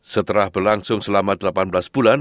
setelah berlangsung selama delapan belas bulan